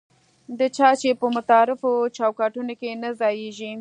دا چې په متعارفو چوکاټونو کې نه ځایېږي.